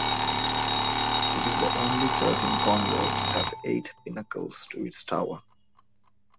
It is the only church in Cornwall to have eight pinnacles to its tower.